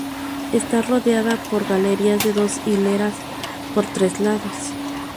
Está rodeada por galerías de dos hileras por tres lados.